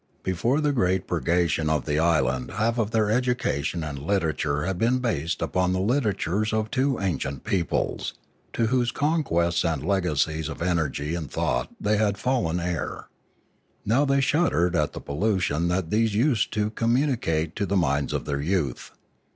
Before the great purgation of the island half of their education and literature had been based upon the literatures of two ancient peoples, to whose conquests and legacies of energy and thought they had fallen heir. They now shuddered at the pollution that these used to com municate to the minds of their youth.